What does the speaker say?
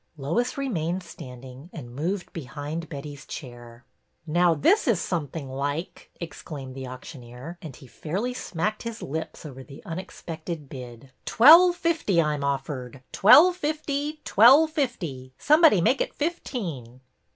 Lois remained standing, and moved behind Betty's chair. " Now this is something like! " exclaimed the auctioneer, and he fairly smacked his lips over the unexpected bid. " Twelve fifty I 'm offered, twelve fifty, twelve fifty ! Somebody make it fifteen."